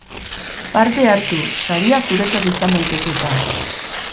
Parte hartu, saria zuretzat izan daiteke eta!